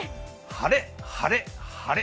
晴れ、晴れ、晴れ。